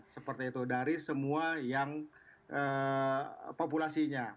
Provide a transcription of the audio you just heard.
seperti itu dari semua yang populasinya